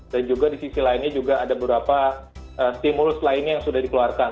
dan juga di sisi lainnya juga ada beberapa stimulus lainnya yang sudah dikeluarkan